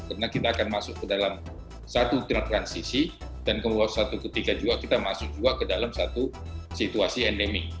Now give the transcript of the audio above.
karena kita akan masuk ke dalam satu transisi dan kemudian satu ketiga juga kita masuk juga ke dalam satu situasi endemi